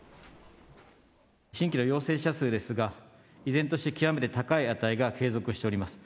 新規の陽性者数ですが、依然として極めて高い値が継続しております。